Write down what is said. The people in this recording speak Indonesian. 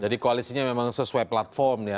jadi koalisinya memang sesuai platform ya